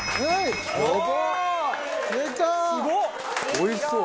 おいしそう。